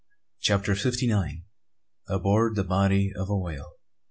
CHAPTER FIFTY NINE. ABOARD THE BODY OF A WHALE.